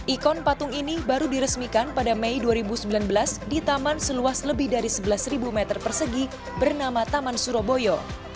ikon patung ini baru diresmikan pada mei dua ribu sembilan belas di taman seluas lebih dari sebelas meter persegi bernama taman surabaya